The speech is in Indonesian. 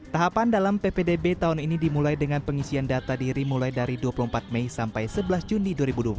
tahapan dalam ppdb tahun ini dimulai dengan pengisian data diri mulai dari dua puluh empat mei sampai sebelas juni dua ribu dua puluh